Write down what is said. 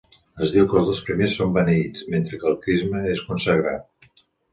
Es diu que els dos primers són beneïts, mentre que el crisma és consagrat.